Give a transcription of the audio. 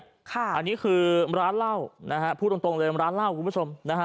อันนี้คือร้านเหล้านะฮะพูดตรงเลยร้านเหล้าคุณผู้ชมนะฮะ